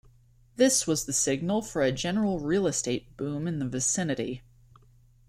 This was the signal for a general real estate boom in the vicinity.